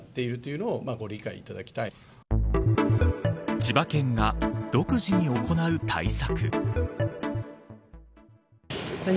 千葉県が独自に行う対策。